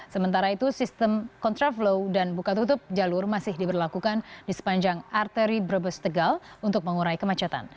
sementara itu sistem kontraflow dan buka tutup jalur masih diberlakukan di sepanjang arteri brebes tegal untuk mengurai kemacetan